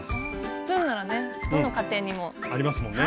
スプーンならねどの家庭にも。ありますもんね。